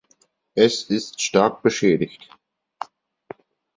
Es ist stark beschädigt.